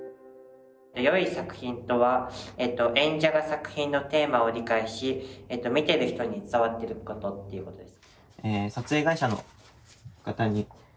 よい作品とは演者が作品のテーマを理解し見てる人に伝わってることっていうことです。